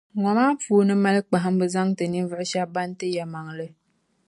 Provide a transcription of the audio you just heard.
Ŋɔ maa puuni mali kpahimbu n-zaŋ ti ninvuɣu shεba ban ti yεlimaŋli.